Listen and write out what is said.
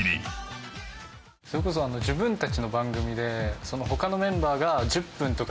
それこそ自分たちの番組で。